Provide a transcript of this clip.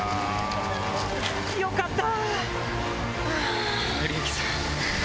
よかった！